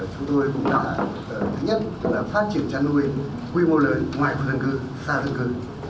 chúng tôi cũng đã thứ nhất là phát triển chăn nuôi quy mô lớn ngoài khu dân cư xa dân cư